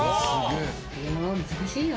これも難しいよ。